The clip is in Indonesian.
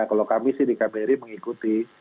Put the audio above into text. kalau kami sih di kbri mengikuti